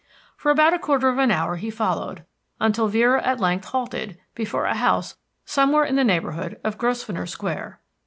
For about a quarter of an hour he followed, until Vera at length halted before a house somewhere in the neighborhood of Grosvenor Square.